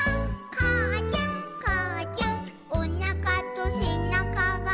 「かあちゃんかあちゃん」「おなかとせなかが」